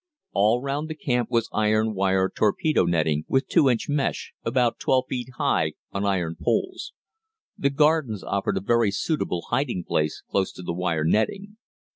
All round the camp was iron wire torpedo netting, with two inch mesh, about 12 feet high on iron poles. The gardens offered a very suitable hiding place close to the wire netting.